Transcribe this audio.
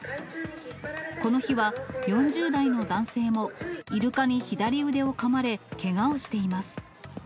この日は４０代の男性もイルカに左腕をかまれ、けがをしています。